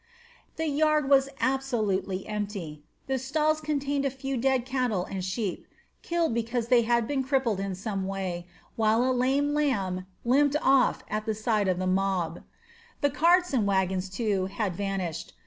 The yard was absolutely empty. The stalls contained a few dead cattle and sheep, killed because they had been crippled in some way, while a lame lamb limped off at sight of the mob. The carts and wagons, too, had vanished.